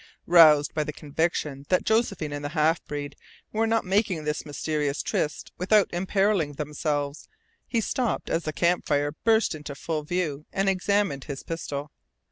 Roused by the conviction that Josephine and the half breed were not making this mysterious tryst without imperilling themselves, he stopped as the campfire burst into full view, and examined his pistol.